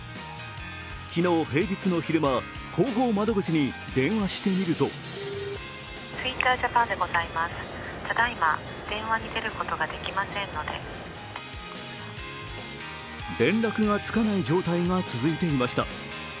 昨日平日の昼間、広報窓口に電話してみると連絡がつかない状態が続いていました。